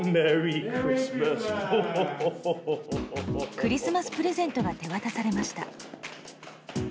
クリスマスプレゼントが手渡されました。